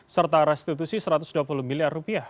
serta restitusi satu ratus dua puluh miliar rupiah